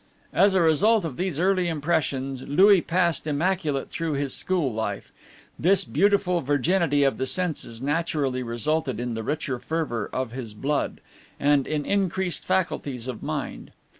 As a result of these early impressions, Louis passed immaculate through his school life; this beautiful virginity of the senses naturally resulted in the richer fervor of his blood, and in increased faculties of mind.